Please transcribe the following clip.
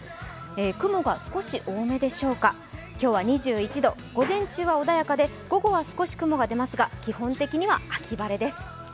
雲が少し多めでしょうか、今日は２１度、午前中は穏やかで午後は少し雲が出ますが、基本的には秋晴れです。